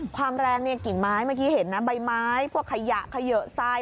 ความแรงเนี่ยกิ่งไม้เมื่อกี้เห็นนะใบไม้พวกขยะเขยะทราย